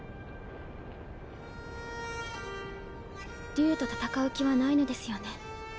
竜と戦う気はないのですよね？